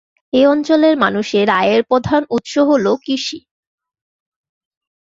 এ অঞ্চলের মানুষের আয়ের প্রধান উৎস হল কৃষি।